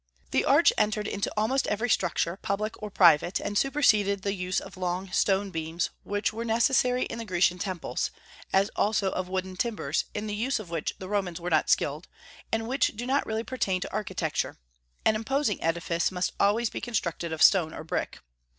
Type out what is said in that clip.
The arch entered into almost every structure, public or private, and superseded the use of long stone beams, which were necessary in the Grecian temples, as also of wooden timbers, in the use of which the Romans were not skilled, and which do not really pertain to architecture: an imposing edifice must always be constructed of stone or brick.